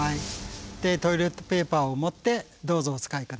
でトイレットペーパーを持ってどうぞお使い下さい。